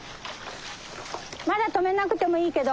まだ止めなくてもいいけど。